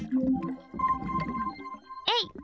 えい！